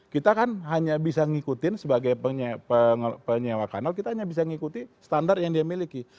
kita kan hanya bisa ngikutin sebagai penyewa kanal kita hanya bisa mengikuti standar yang dia miliki